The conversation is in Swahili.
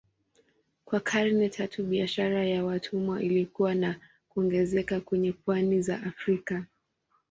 Kwa karne tatu biashara ya watumwa ilikua na kuongezeka kwenye pwani za Afrika.